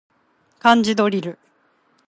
漢字ドリル